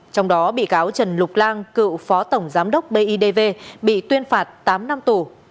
trong đó bị cáo trần lục lan cựu phó tổng giám đốc bidv bị tuyên phạt tám năm tù